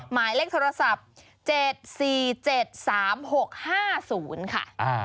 หมายเลขโทรศัพท์๗๔๗๓๖๕๐ค่ะ